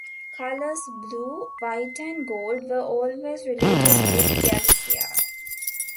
Colors blue, white and gold were always related with Galicia.